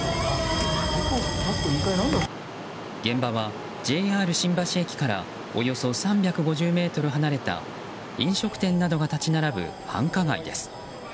現場はＪＲ新橋駅からおよそ３５０ｍ離れた飲食店などが立ち並ぶ繁華街です。